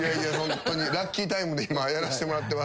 ラッキータイムでやらしてもらってます。